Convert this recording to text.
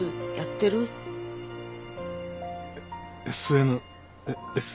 エＳＮＳ？